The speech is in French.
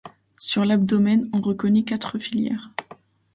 Sur l'abdomen, on reconnaît quatre filières.